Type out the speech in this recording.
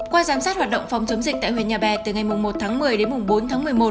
qua giám sát hoạt động phòng chống dịch tại huyện nhà bè từ ngày một tháng một mươi đến bốn tháng một mươi một